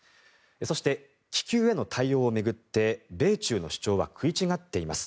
そして、気球への対応を巡って米中の主張は食い違っています。